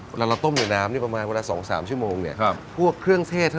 เวลาเราต้มในน้ำเนี่ยประมาณเวลา๒๓ชั่วโมงเนี่ย